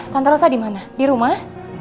tante rosa dimana di rumah